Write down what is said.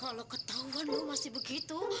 kalo ketahuan lu masih begitu